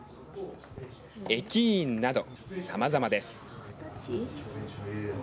駅員など、さまざまです。